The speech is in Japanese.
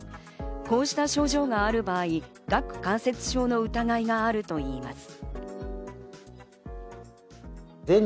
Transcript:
こうした症状がある場合、顎関節症の疑いがあるといいます。